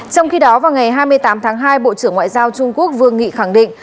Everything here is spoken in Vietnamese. trong khi đó vào ngày hai mươi tám tháng hai bộ trưởng ngoại giao trung quốc vương nghị khẳng định